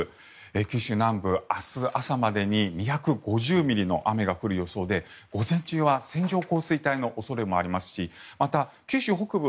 九州南部、明日朝までに２５０ミリの雨が降る予想で午前中は線状降水帯の恐れもありますしまた九州北部